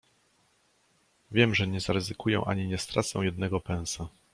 "Wiem, że nie zaryzykuję ani nie stracę jednego pensa."